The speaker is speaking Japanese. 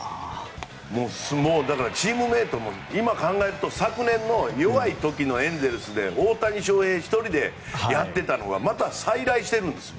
もう、だからチームメートも今考えると昨年の弱い時のエンゼルスで大谷翔平１人でやっていたのがまた、再来しているんです。